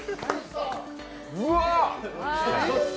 うわ！